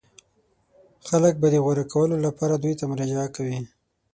خلک به د غوره کولو لپاره دوی ته مراجعه کوي.